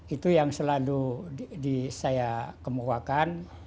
itu yang selalu saya kemukakan